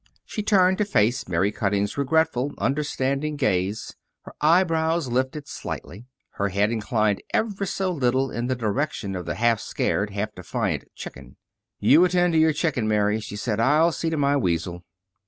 She turned to face Mary Cutting's regretful, understanding gaze. Her eyebrows lifted slightly. Her head inclined ever so little in the direction of the half scared, half defiant "chicken." "You attend to your chicken, Mary," she said. "I'll see to my weasel."